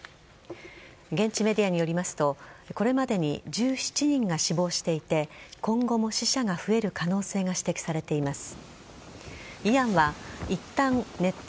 現地メディアによりますとこれまでに１７人が死亡していて今後も死者が増える可能性が指摘されています。